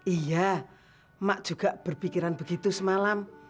iya mak juga berpikiran begitu semalam